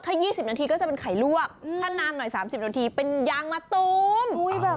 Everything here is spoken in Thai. ถ้า๒๐นาทีก็จะเป็นไข่ลวกถ้านานหน่อย๓๐นาทีเป็นยางมะตูม